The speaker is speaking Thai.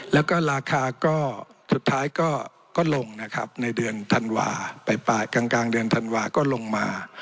แล้วก็ราคาก็สุดท้ายก็ลงนะครับในเดือนธันวาไปปลายกลางเดือนธันวาก็ลงมา